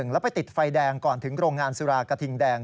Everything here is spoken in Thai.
แล้วไปติดไฟแดงก่อนถึงโรงงานสุรากระทิงแดง